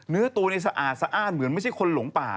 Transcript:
เนื้อตัวนี้สะอาดสะอ้านเหมือนไม่ใช่คนหลงป่า